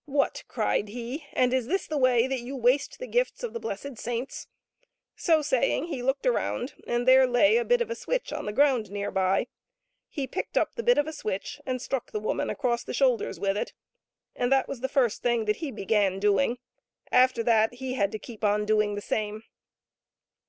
" What !" cried he, " and is this the way that you waste the gifts of the blessed saints ?" So saying, he looked around, and there lay a bit of a switch on the ground near by. He picked up the bit of a switch and struck the woman across the shoulders with it, and that was the first thing that he began doing. After that he had to keep on doing the same.